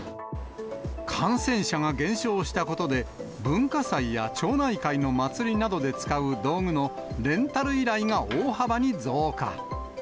感染者が減少したことで、文化祭や町内会の祭りなどで使う道具のレンタル依頼が大幅に増加。